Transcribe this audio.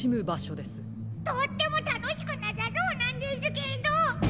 とってもたのしくなさそうなんですけど。